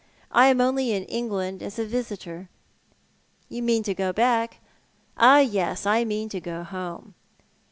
I am only in England as a visitor." " You mean to go back ?"" Yes, I mean to go home."